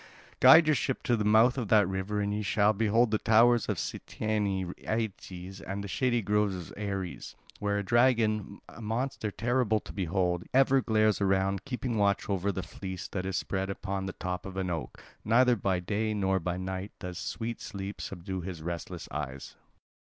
Guide your ship to the mouth of that river and ye shall behold the towers of Cytaean Aeetes and the shady grove of Ares, where a dragon, a monster terrible to behold, ever glares around, keeping watch over the fleece that is spread upon the top of an oak; neither by day nor by night does sweet sleep subdue his restless eyes."